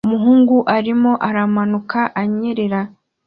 Umuhungu arimo aramanuka anyerera